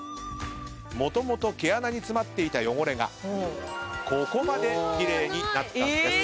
もともと毛穴に詰まっていた汚れがここまで奇麗になったんです。